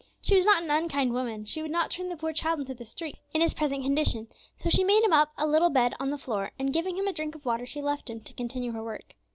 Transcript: She was not an unkind woman; she would not turn the poor child into the street in his present condition; so she made him up a little bed on the floor, and giving him a drink of water, she left him, to continue her work.